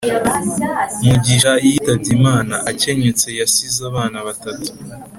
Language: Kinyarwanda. Mugisha yitabye Imana akenyutse yasize abana batatu